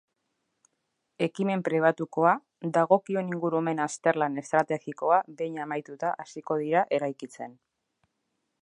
Ekimen pribatukoa, dagokion ingurumen azterlan estrategikoa behin amaituta hasiko dira eraikitzen.